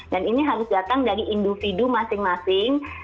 dan ini harus datang dari individu masing masing